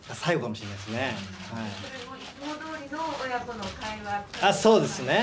それもいつもどおりの親子のそうですね。